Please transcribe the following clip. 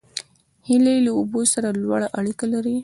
هیلۍ له اوبو سره لوړه اړیکه لري